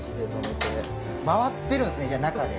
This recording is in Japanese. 回ってるんですね中で。